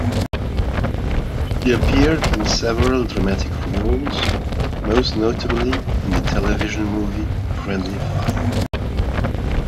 She appeared in several dramatic roles, most notably in the television movie "Friendly Fire".